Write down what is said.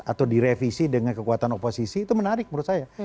atau direvisi dengan kekuatan oposisi itu menarik menurut saya